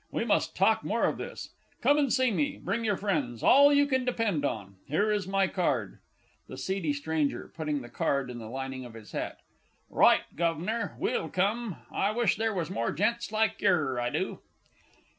We must talk more of this. Come and see me. Bring your friends all you can depend upon. Here is my card. THE S. S. (putting the card in the lining of his hat). Right, Guv'nor; we'll come. I wish there was more gents like yer, I do!